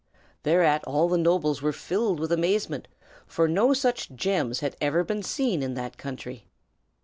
Thereat all the nobles were filled with amazement, for no such gems had ever been seen in that country.